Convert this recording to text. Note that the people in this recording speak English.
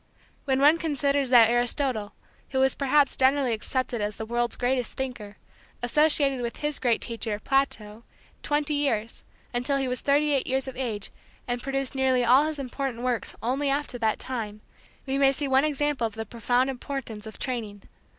When one considers that Aristotle, who is perhaps generally accepted as the world's greatest thinker, associated with his great teacher, Plato, twenty years, until he was thirty eight years of age and produced nearly all his important works only after that time, we may see one example of the profound importance of training.